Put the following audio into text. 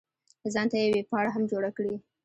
ځان ته یې ویبپاڼه هم جوړه کړې.